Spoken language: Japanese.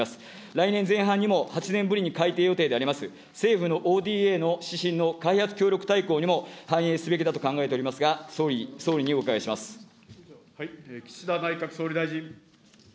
来年前半にも、８年ぶりに改定予定であります、政府のＯＤＡの指針の開発協力大綱にも反映すべきだと考えておりますが、総理にお岸田内閣総理大臣。